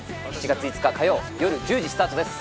７月５日火曜夜１０時スタートです